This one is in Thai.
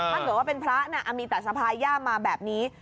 ถ้าเกิดว่าเป็นพระน่ะมีแต่สะพายย่ามาแบบนี้